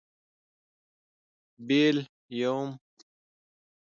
بېل. √ یوم